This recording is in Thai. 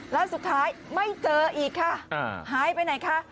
แล้วสุดท้ายไม่เจออีกค่ะหายไปไหนคะ